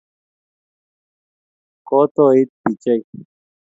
kotoit pikchait